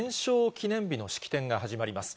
記念日の式典が始まります。